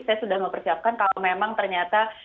saya sudah mempersiapkan kalau memang ternyata